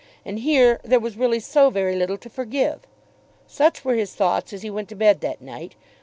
And here there was really so very little to forgive! Such were his thoughts as he went to bed that night.